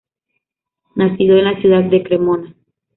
Nació en la ciudad de Cremona.